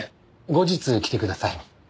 後日来てください。